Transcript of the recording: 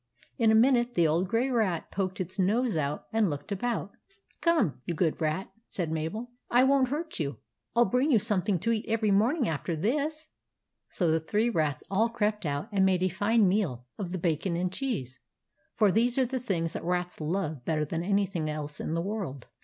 In a minute the old grey rat poked its nose out and looked about. " Come, you good rat," said Mabel. " I >>''.> 4 »*• GREY RAT UNDER THE PUMP 101 won't hurt you. I '11 bring you something to eat every morning after this." So the three rats all crept out and made a fine meal of the bacon and cheese ; for these are the things that rats love better than any thing else in the world.